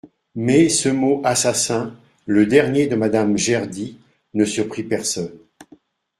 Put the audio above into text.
Mais ce mot «assassin», le dernier de Madame Gerdy, ne surprit personne.